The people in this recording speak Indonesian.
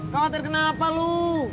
khawatir kenapa lu